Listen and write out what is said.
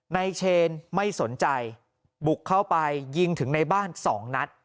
ในเชนไม่สนใจบุกเข้าไปยิงถึงในบ้าน๒นัด